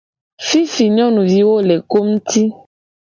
Fifi nyonuviwo le ko ngti.